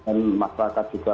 dan masyarakat juga